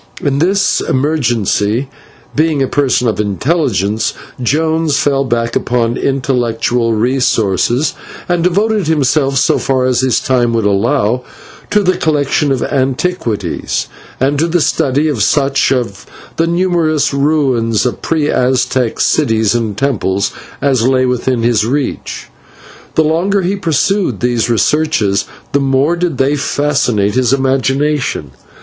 In this emergency, being a person of intelligence, Jones fell back upon intellectual resources, and devoted himself, so far as his time would allow, to the collection of antiquities, and to the study of such of the numerous ruins of pre Aztec cities and temples as lay within his reach. The longer he pursued these researches, the more did they fascinate his imagination.